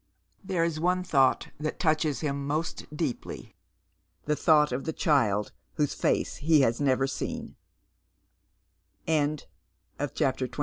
There is one thought that touches him most deeply, — the thought of the child whose face he has never seen.